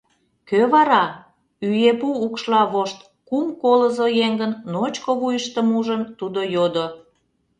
Кӧ кара? — ӱепу укшла вошт кум колызо еҥын ночко вуйыштым ужын, тудо йодо.